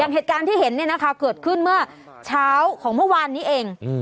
เหตุการณ์ที่เห็นเนี่ยนะคะเกิดขึ้นเมื่อเช้าของเมื่อวานนี้เอง